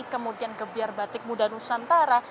kemudian gebiar batik muda nusantara